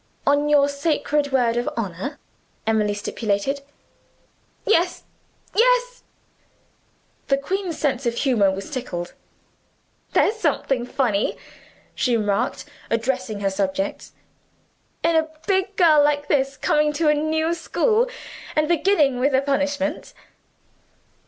"On your sacred word of honor?" Emily stipulated. "Yes yes." The queen's sense of humor was tickled. "There's something funny," she remarked, addressing her subjects, "in a big girl like this coming to a new school and beginning with a punishment.